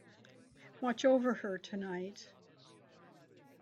Watch over her tonight.